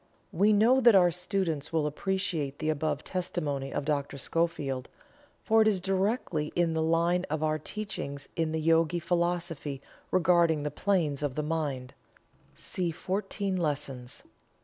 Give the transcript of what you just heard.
We know that our students will appreciate the above testimony of Dr. Schofield, for it is directly in the line of our teachings in the Yogi Philosophy regarding the Planes of the Mind (see "Fourteen Lessons").